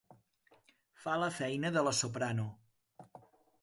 Fa la feina de la soprano.